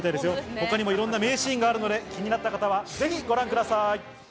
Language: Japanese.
他にもいろんな名シーンがあるので、気になった方はぜひご覧ください。